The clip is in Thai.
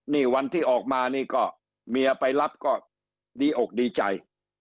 นี่วันที่ออกมานี่ก็เมียไปรับก็ดีอกดีใจ